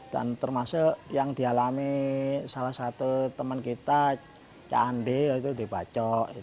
dan termasuk yang dialami salah satu teman kita candil itu dibacok